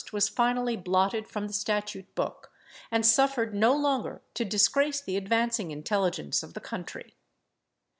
was finally blotted from the statute book, and suffered no longer to disgrace the advancing intelligence of the country.